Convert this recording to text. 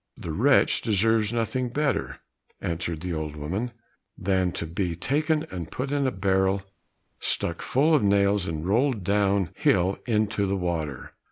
"The wretch deserves nothing better," answered the old woman, "than to be taken and put in a barrel stuck full of nails, and rolled down hill into the water."